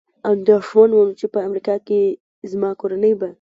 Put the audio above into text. اندېښمن ووم، چې په امریکا کې زما کورنۍ به.